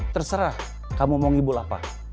terserah kamu mau ngibul apa